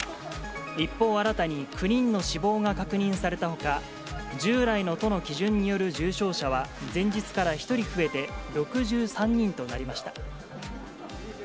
一方、新たに９人の死亡が確認されたほか、従来の都の基準による重症者は前日から１人増えて６３人となりました。